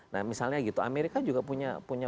nah misalnya gitu amerika juga punya